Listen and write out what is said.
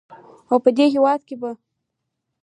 او په دې هېواد کې به